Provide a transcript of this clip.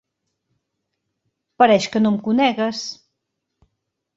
Pareix que no em conegues!